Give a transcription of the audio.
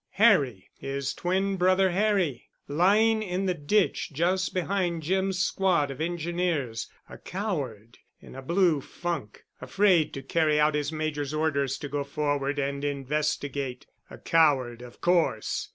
Harry—his twin brother Harry, lying in the ditch just behind Jim's squad of Engineers, a coward, in a blue funk—afraid to carry out his Major's orders to go forward and investigate. A coward, of course!